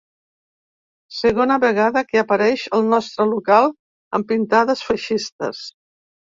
Segona vegada que apareix el nostre local amb pintades feixistes.